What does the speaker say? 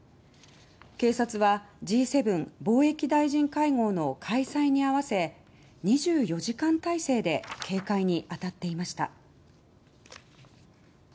警察はＧ７貿易大臣会合の開催に合わせ２４時間体制で警戒にあたっていました。